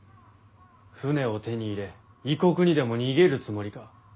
船を手に入れ異国にでも逃げるつもりか？